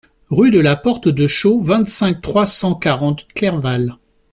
Rue de la Porte de Chaux, vingt-cinq, trois cent quarante Clerval